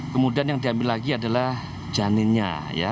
kemudian yang diambil lagi adalah janinnya